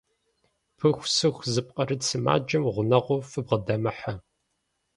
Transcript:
Пыхусыху зыпкъырыт сымаджэм гъунэгъуу фыбгъэдэмыхьэ.